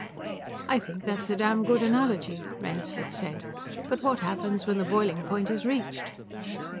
"I think that's a damn good analogy," Rainsford said. "But what happens when the boiling point is reached?"